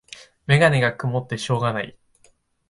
メガネがくもってしょうがない